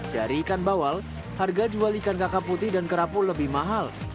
dari ikan bawal harga jual ikan kakap putih dan kerapu lebih mahal